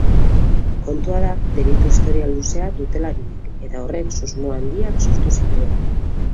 Kontua da delitu historial luzea dutela biek eta horrek susmo handiak sortu zituen.